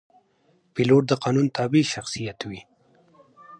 پیلوټ د قانون تابع شخصیت وي.